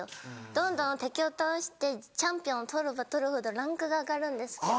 どんどん敵を倒してチャンピオン取れば取るほどランクが上がるんですけど。